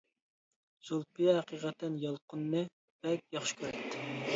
زۇلپىيە ھەقىقەتەن يالقۇننى بەك ياخشى كۈرەتتى.